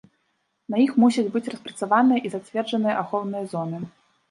На іх мусяць быць распрацаваныя і зацверджаныя ахоўныя зоны.